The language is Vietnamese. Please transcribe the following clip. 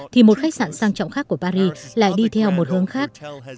thì một khách sạn sang trọng khác của paris lại đi theo một hướng khác